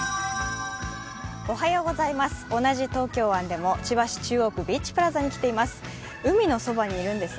同じ東京湾でも千葉市ビーチプラザに来ています。